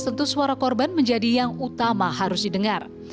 tentu suara korban menjadi yang utama harus didengar